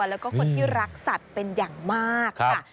แล้วก็คนที่รักสัตว์เป็นอย่างมากค่ะ